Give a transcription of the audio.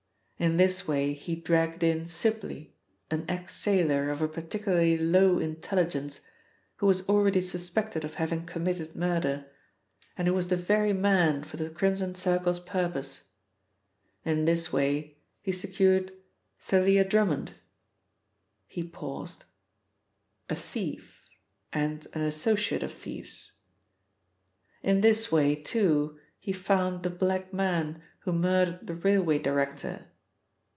In this way he dragged in Sibly, an ex sailor of a particularly low intelligence, who was already suspected of having committed murder, and who was the very man for the Crimson Circle's purpose. In this way he secured Thalia Drummond " he paused "a thief, and an associate of thieves. In this way, too, he found the black man who murdered the railway director.